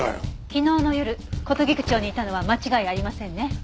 昨日の夜琴菊町にいたのは間違いありませんね？